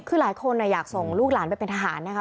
คือหลายคนอยากส่งลูกหลานไปเป็นทหารนะคะ